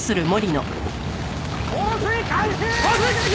放水開始！